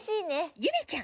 ゆめちゃん！